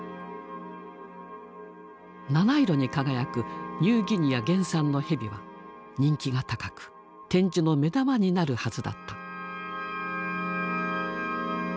七色に輝くニューギニア原産のヘビは人気が高く展示の目玉になるはずだった。